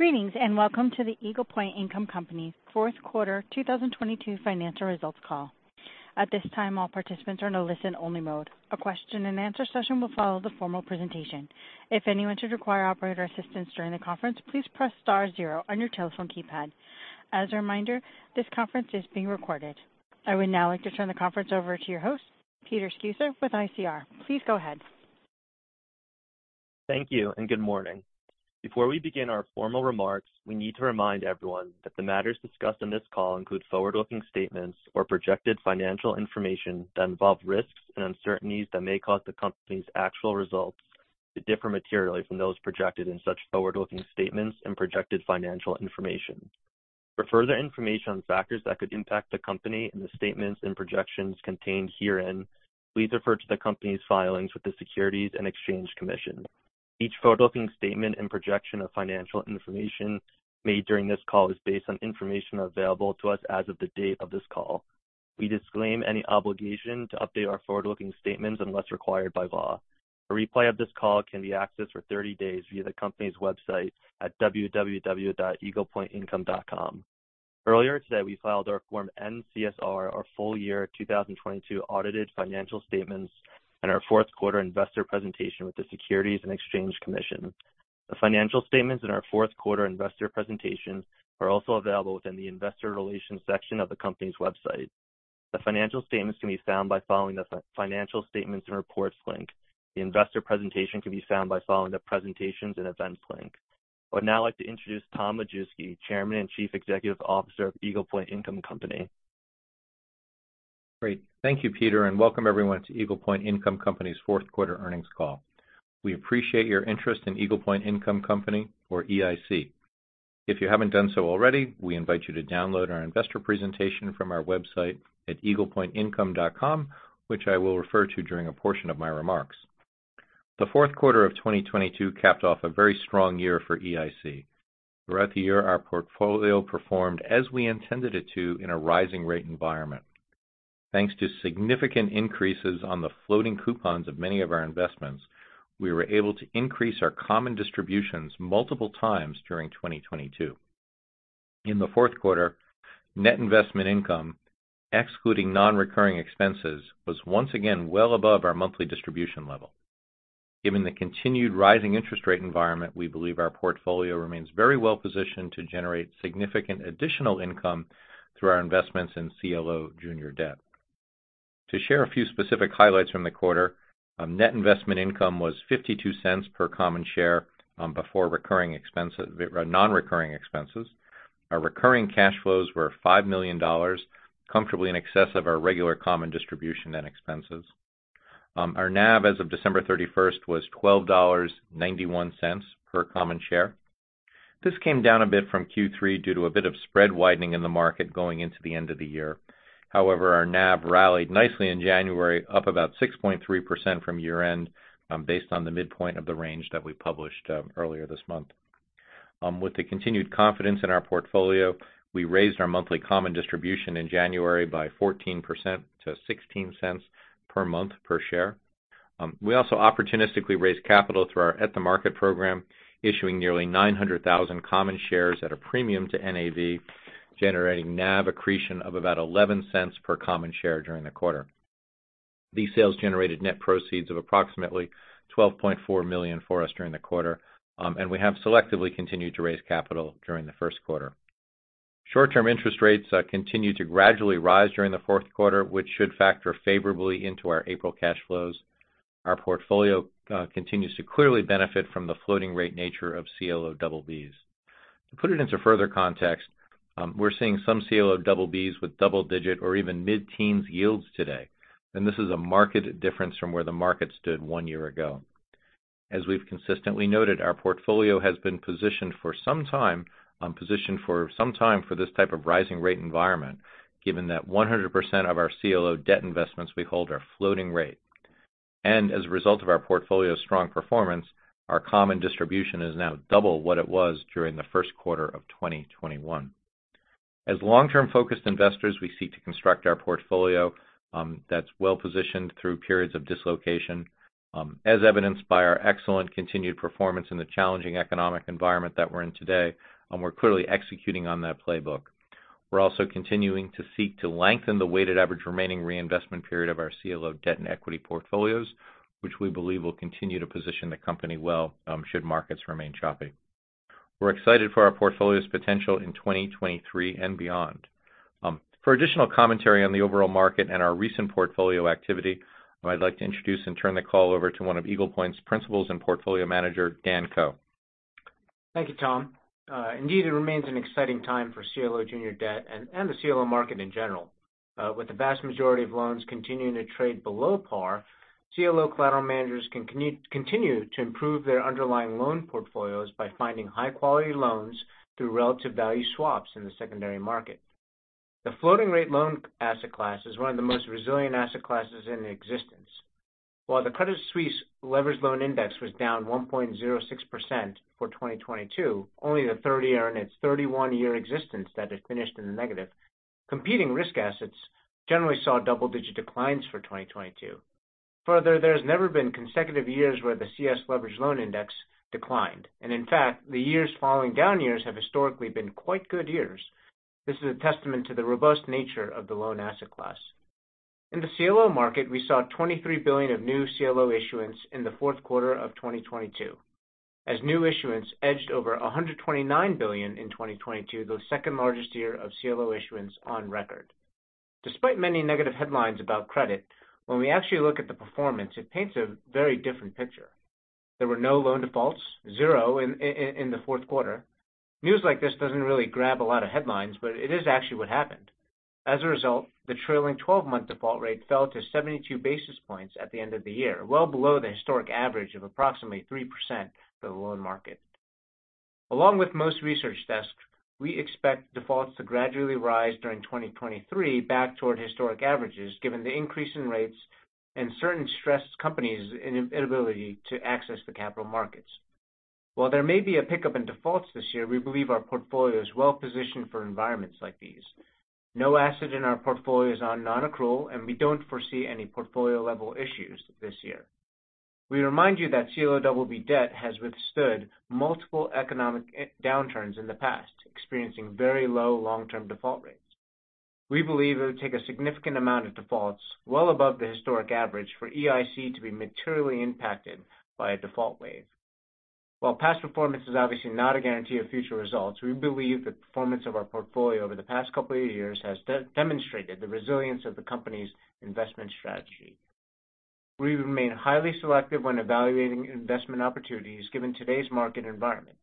Greetings, and welcome to the Eagle Point Income Company's Fourth Quarter 2022 Financial Results Call. At this time, all participants are in a listen-only mode. A question and answer session will follow the formal presentation. If anyone should require operator assistance during the conference, please press star zero on your telephone keypad. As a reminder, this conference is being recorded. I would now like to turn the conference over to your host, Peter Sceusa with ICR. Please go ahead. Thank you and good morning. Before we begin our formal remarks, we need to remind everyone that the matters discussed on this call include forward-looking statements or projected financial information that involve risks and uncertainties that may cause the Company's actual results to differ materially from those projected in such forward-looking statements and projected financial information. For further information on factors that could impact the Company in the statements and projections contained herein, please refer to the Company's filings with the Securities and Exchange Commission. Each forward-looking statement and projection of financial information made during this call is based on information available to us as of the date of this call. We disclaim any obligation to update our forward-looking statements unless required by law. A replay of this call can be accessed for 30 days via the company's website at www.eaglepointincome.com. Earlier today, we filed our Form N-CSR, our full year 2022 audited financial statements, and our fourth quarter investor presentation with the Securities and Exchange Commission. The financial statements in our fourth quarter investor presentation are also available within the investor relations section of the company's website. The financial statements can be found by following the financial statements and reports link. The investor presentation can be found by following the presentations and events link. I would now like to introduce Tom Majewski, Chairman and Chief Executive Officer of Eagle Point Income Company. Great. Thank you, Peter, welcome everyone to Eagle Point Income Company's fourth quarter earnings call. We appreciate your interest in Eagle Point Income Company or EIC. If you haven't done so already, we invite you to download our investor presentation from our website at eaglepointincome.com, which I will refer to during a portion of my remarks. The fourth quarter of 2022 capped off a very strong year for EIC. Throughout the year, our portfolio performed as we intended it to in a rising rate environment. Thanks to significant increases on the floating coupons of many of our investments, we were able to increase our common distributions multiple times during 2022. In the fourth quarter, net investment income, excluding non-recurring expenses, was once again well above our monthly distribution level. Given the continued rising interest rate environment, we believe our portfolio remains very well-positioned to generate significant additional income through our investments in CLO junior debt. To share a few specific highlights from the quarter, net investment income was $0.52 per common share before non-recurring expenses. Our recurring cash flows were $5 million, comfortably in excess of our regular common distribution and expenses. Our NAV as of December 31st was $12.91 per common share. This came down a bit from Q3 due to a bit of spread widening in the market going into the end of the year. Our NAV rallied nicely in January, up about 6.3% from year-end, based on the midpoint of the range that we published earlier this month. With the continued confidence in our portfolio, we raised our monthly common distribution in January by 14% to $0.16 per month per share. We also opportunistically raised capital through our at-the-market program, issuing nearly 900,000 common shares at a premium to NAV, generating NAV accretion of about $0.11 per common share during the quarter. These sales generated net proceeds of approximately $12.4 million for us during the quarter, we have selectively continued to raise capital during the first quarter. Short-term interest rates continued to gradually rise during the fourth quarter, which should factor favorably into our April cash flows. Our portfolio continues to clearly benefit from the floating rate nature of CLO BBs. To put it into further context, we're seeing some CLO BBs with double-digit or even mid-teens yields today. This is a market difference from where the market stood one year ago. As we've consistently noted, our portfolio has been positioned for some time for this type of rising rate environment, given that 100% of our CLO debt investments we hold are floating rate. As a result of our portfolio's strong performance, our common distribution is now double what it was during the first quarter of 2021. As long-term focused investors, we seek to construct our portfolio, that's well-positioned through periods of dislocation, as evidenced by our excellent continued performance in the challenging economic environment that we're in today, and we're clearly executing on that playbook. We're also continuing to seek to lengthen the weighted average remaining reinvestment period of our CLO debt and equity portfolios, which we believe will continue to position the company well, should markets remain choppy. We're excited for our portfolio's potential in 2023 and beyond. For additional commentary on the overall market and our recent portfolio activity, I'd like to introduce and turn the call over to one of Eagle Point's principals and portfolio manager, Dan Ko. Thank you, Tom. Indeed, it remains an exciting time for CLO junior debt and the CLO market in general. With the vast majority of loans continuing to trade below par, CLO collateral managers can continue to improve their underlying loan portfolios by finding high-quality loans through relative value swaps in the secondary market. The floating rate loan asset class is one of the most resilient asset classes in existence. While the Credit Suisse Leveraged Loan Index was down 1.06% for 2022, only the third year in its 31-year existence that it finished in the negative, competing risk assets generally saw double-digit declines for 2022. Further, there's never been consecutive years where the CS leveraged loan index declined. In fact, the years following down years have historically been quite good years. This is a testament to the robust nature of the loan asset class. In the CLO market, we saw $23 billion of new CLO issuance in the fourth quarter of 2022, as new issuance edged over $129 billion in 2022, the second largest year of CLO issuance on record. Despite many negative headlines about credit, when we actually look at the performance, it paints a very different picture. There were no loan defaults, zero in the fourth quarter. News like this doesn't really grab a lot of headlines, but it is actually what happened. As a result, the trailing 12-month default rate fell to 72 basis points at the end of the year, well below the historic average of approximately 3% for the loan market. Along with most research desks, we expect defaults to gradually rise during 2023 back toward historic averages, given the increase in rates and certain stressed companies' inability to access the capital markets. While there may be a pickup in defaults this year, we believe our portfolio is well-positioned for environments like these. No asset in our portfolio is on non-accrual, and we don't foresee any portfolio-level issues this year. We remind you that CLO BB debt has withstood multiple economic downturns in the past, experiencing very low long-term default rates. We believe it would take a significant amount of defaults well above the historic average for EIC to be materially impacted by a default wave. While past performance is obviously not a guarantee of future results, we believe the performance of our portfolio over the past couple of years has demonstrated the resilience of the company's investment strategy. We remain highly selective when evaluating investment opportunities given today's market environment.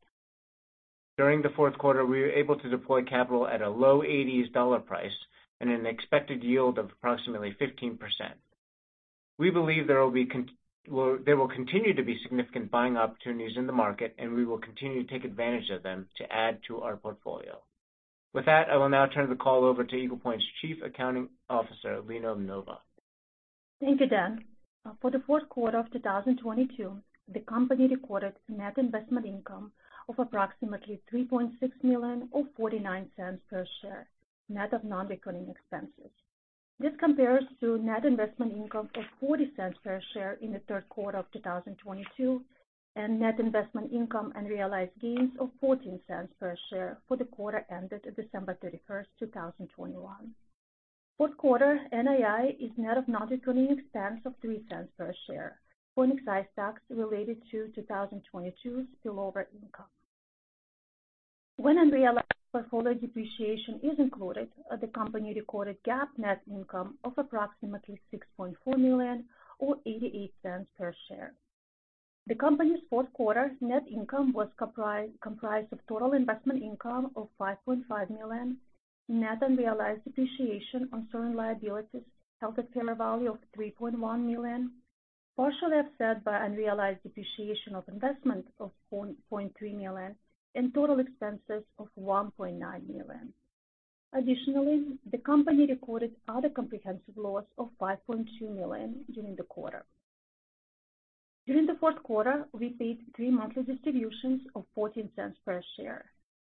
During the fourth quarter, we were able to deploy capital at a low 80s dollar price and an expected yield of approximately 15%. We believe there will continue to be significant buying opportunities in the market, and we will continue to take advantage of them to add to our portfolio. With that, I will now turn the call over to Eagle Point's Chief Accounting Officer, Lena Umnova. Thank you, Dan. For the fourth quarter of 2022, the company recorded net investment income of approximately $3.6 million or $0.49 per share, net of non-recurring expenses. This compares to net investment income of $0.40 per share in the third quarter of 2022, and net investment income and realized gains of $0.14 per share for the quarter ended December 31st, 2021. Fourth quarter NAI is net of non-recurring expense of $0.03 per share for excise tax related to 2022's lower income. When unrealized portfolio depreciation is included, the company recorded GAAP net income of approximately $6.4 million or $0.88 per share. The company's fourth quarter net income was comprised of total investment income of $5.5 million, net unrealized depreciation on certain liabilities held at fair value of $3.1 million, partially offset by unrealized depreciation of investment of $0.3 million, and total expenses of $1.9 million. The company recorded other comprehensive loss of $5.2 million during the quarter. During the fourth quarter, we paid three monthly distributions of $0.14 per share.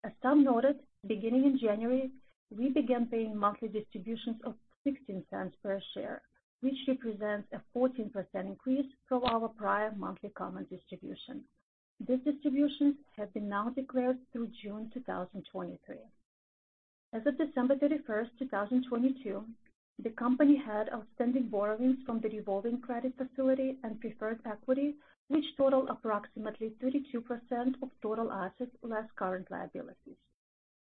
As Tom noted, beginning in January, we began paying monthly distributions of $0.16 per share, which represents a 14% increase from our prior monthly common distribution. These distributions have been now declared through June 2023. As of December 31st, 2022, the company had outstanding borrowings from the revolving credit facility and preferred equity, which total approximately 32% of total assets less current liabilities.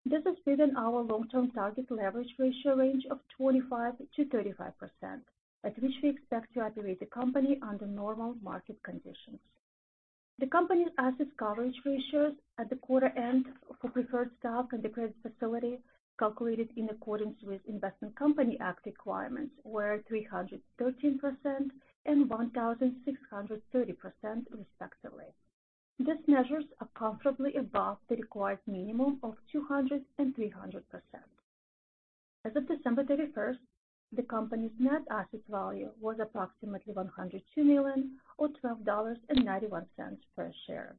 This is within our long-term target leverage ratio range of 25%-35%, at which we expect to operate the company under normal market conditions. The company's assets coverage ratios at the quarter end for preferred stock and the credit facility, calculated in accordance with Investment Company Act requirements, were 313% and 1,630%, respectively. These measures are comfortably above the required minimum of 200% and 300%. As of December 31st, the company's net asset value was approximately $102 million or $12.91 per share.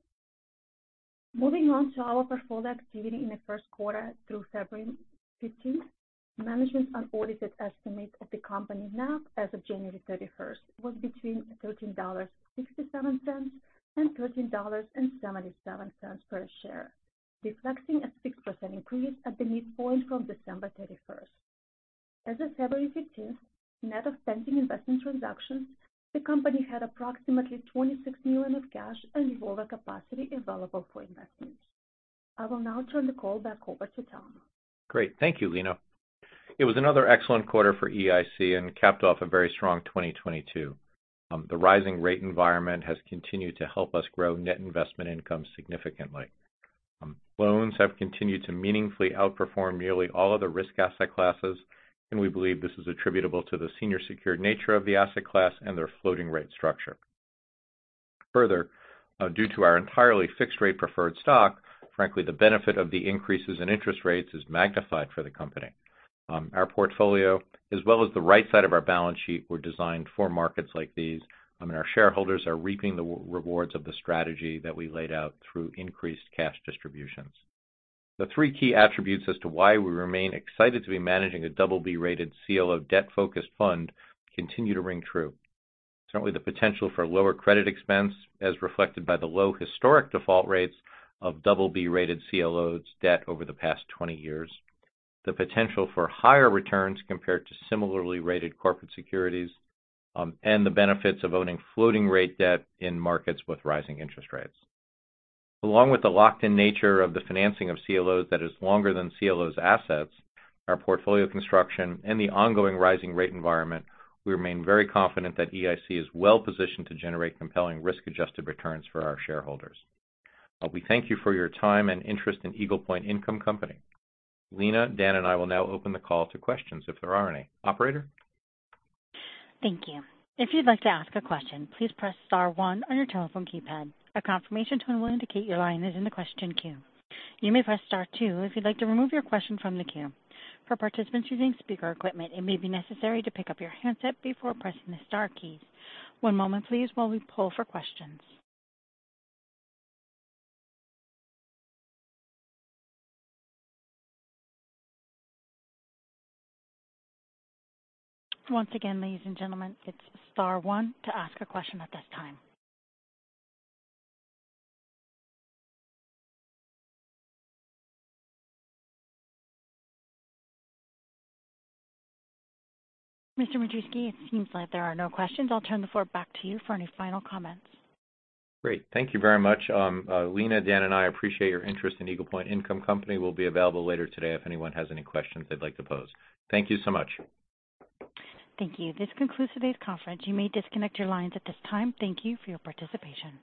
Moving on to our portfolio activity in the first quarter through February 15th. Management's unaudited estimate of the company NAV as of January 31st was between $13.67 and $13.77 per share, reflecting a 6% increase at the midpoint from December 31st. As of February 15th, net of pending investment transactions, the company had approximately $26 million of cash and revolver capacity available for investments. I will now turn the call back over to Tom. Great. Thank you, Lena. It was another excellent quarter for EIC and capped off a very strong 2022. The rising rate environment has continued to help us grow net investment income significantly. Loans have continued to meaningfully outperform nearly all other risk asset classes, and we believe this is attributable to the senior secured nature of the asset class and their floating rate structure. Further, due to our entirely fixed rate preferred stock, frankly, the benefit of the increases in interest rates is magnified for the company. Our portfolio, as well as the right side of our balance sheet, were designed for markets like these, and our shareholders are reaping the rewards of the strategy that we laid out through increased cash distributions. The three key attributes as to why we remain excited to be managing a BB-rated CLO debt-focused fund continue to ring true. Certainly, the potential for lower credit expense as reflected by the low historic default rates of BB-rated CLOs debt over the past 20 years, the potential for higher returns compared to similarly rated corporate securities, and the benefits of owning floating rate debt in markets with rising interest rates. Along with the locked-in nature of the financing of CLOs that is longer than CLOs assets, our portfolio construction and the ongoing rising rate environment, we remain very confident that EIC is well-positioned to generate compelling risk-adjusted returns for our shareholders. We thank you for your time and interest in Eagle Point Income Company. Lena, Dan, and I will now open the call to questions if there are any. Operator. Thank you. If you'd like to ask a question, please press star one on your telephone keypad. A confirmation tone will indicate your line is in the question queue. You may press star two if you'd like to remove your question from the queue. For participants using speaker equipment, it may be necessary to pick up your handset before pressing the star keys. One moment please while we pull for questions. Once again, ladies and gentlemen, it's star one to ask a question at this time. Mr. Majewski, it seems like there are no questions. I'll turn the floor back to you for any final comments. Great. Thank you very much. Lena, Dan, and I appreciate your interest in Eagle Point Income Company. We'll be available later today if anyone has any questions they'd like to pose. Thank you so much. Thank you. This concludes today's conference. You may disconnect your lines at this time. Thank you for your participation.